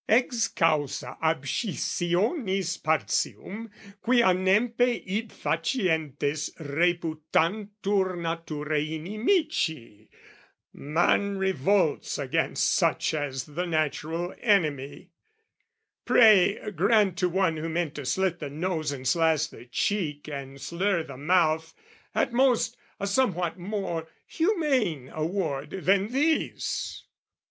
Ex causa abscissionis partium; Quia nempe id facientes reputantur NaturAe inimici, man revolts Against such as the natural enemy. Pray, grant to one who meant to slit the nose And slash the cheek and slur the mouth, at most, A somewhat more humane award than these!